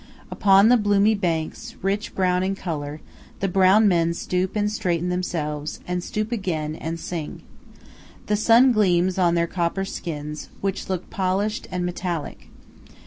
Upon the bloomy banks, rich brown in color, the brown men stoop and straighten themselves, and stoop again, and sing. The sun gleams on their copper skins, which look polished and metallic.